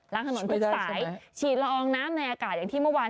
ล้างถนนทุกสายฉีดละอองน้ำในอากาศอย่างที่เมื่อวาน